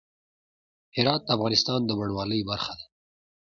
هرات د افغانستان د بڼوالۍ برخه ده.